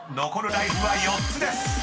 ［残るライフは４つです］